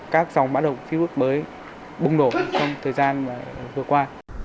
các dòng mã đọc facebook mới bùng nổ trong thời gian vừa qua